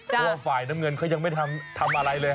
เพราะว่าฝ่ายน้ำเงินเขายังไม่ทำอะไรเลย